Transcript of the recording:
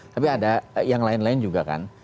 tapi ada yang lain lain juga kan